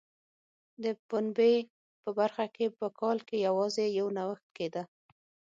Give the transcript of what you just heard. د پنبې په برخه کې په کال کې یوازې یو نوښت کېده.